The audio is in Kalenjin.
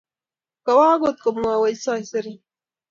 Kowa akot ko mwai wech saisere